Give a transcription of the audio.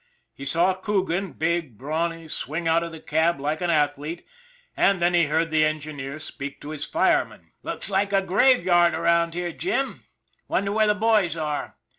He saw Coogan, big, brawny, swing out of the cab like an athlete, and then he heard the engineer speak to his fireman. " Looks like a graveyard around here, Jim. Wonder where the boys are.